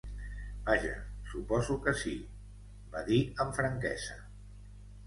"Vaja, suposo que sí", va dir amb franquesa.